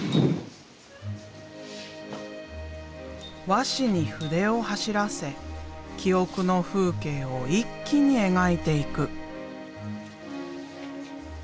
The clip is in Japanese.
和紙に筆を走らせ記憶の風景を一気に描いていく。